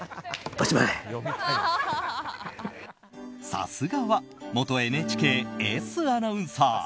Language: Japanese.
さすがは元ＮＨＫエースアナウンサー！